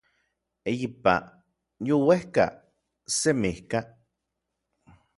eyipa, youejka, semijka